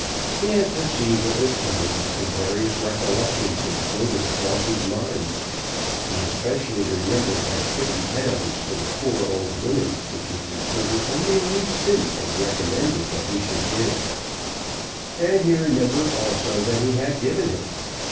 He had perceived what was coming, and various recollections had floated across his mind. He especially remembered that £50 for the poor old women which Mr. Trigger only a week since had recommended that he should give, and he remembered also that he had given it.